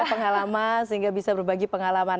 pengalaman sehingga bisa berbagi pengalaman